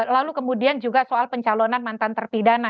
lalu kemudian juga soal pencalonan mantan terpidana